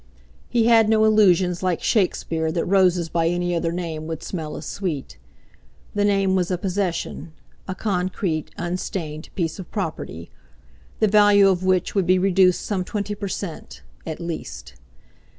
He had no illusions like Shakespeare that roses by any other name would smell as sweet. The name was a possession, a concrete, unstained piece of property, the value of which would be reduced some twenty per cent. at least.